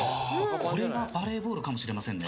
これがバレーボールかもしれませんね。